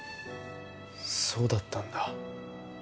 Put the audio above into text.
そうだっだんだ。